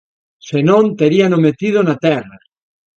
Se non, teríano metido na terra